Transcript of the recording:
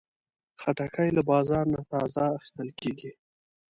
خټکی له بازار نه تازه اخیستل کېږي.